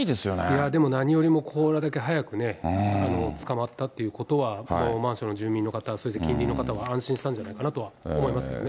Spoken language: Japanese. いや、何よりもこれだけ早くね、捕まったということは、マンションの住民の方、そして近隣の方も安心したんじゃないかなとは思いますけどね。